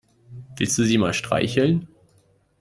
Willst du sie mal streicheln?